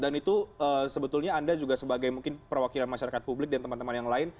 dan itu sebetulnya anda juga sebagai mungkin perwakilan masyarakat publik dan teman teman yang lain